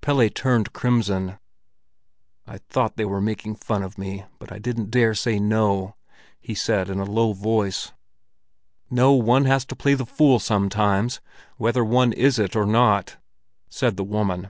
Pelle turned crimson. "I thought they were making fun of me, but I didn't dare say no," he said in a low voice. "No, one has to play the fool sometimes, whether one is it or not," said the woman.